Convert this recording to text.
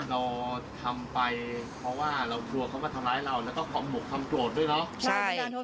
เราทำไปเพราะว่าเรากลัวเขามาทำร้ายเราแล้วก็คำหมกคำโกรธด้วยเนาะ